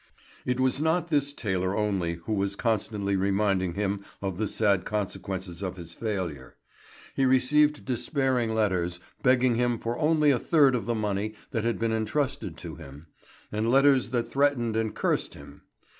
It was not this tailor only who was constantly reminding him of the sad consequences of his failure. He received despairing letters, begging him for only a third of the money that had been entrusted to him; and letters that threatened and cursed him.